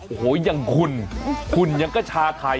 โอหยยังขุนขุนยังกระชาไทย